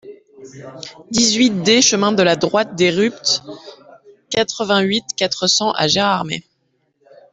dix-huit D chemin de la Droite des Rupts, quatre-vingt-huit, quatre cents à Gérardmer